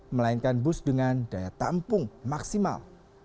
melainkan bus dengan daya tampung maksimal